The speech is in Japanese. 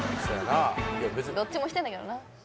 どっちも知ってるんだけどな。